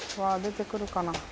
出て来るかな？